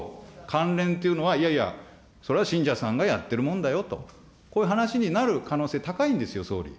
関連というのは、いやいや、それは信者さんがやってるもんだよと、こういう話になる可能性、高いんですよ、総理。